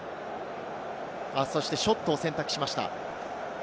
そしてショットを選択しました。